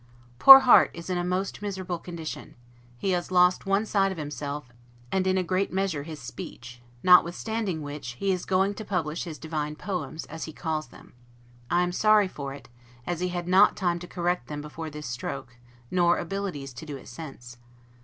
Poor Harte is in a most miserable condition: He has lost one side of himself, and in a great measure his speech; notwithstanding which, he is going to publish his DIVINE POEMS, as he calls them. I am sorry for it, as he had not time to correct them before this stroke, nor abilities to do it since.